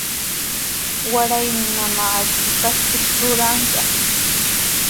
Waraymi mamaa akshu kashkita ruranqa.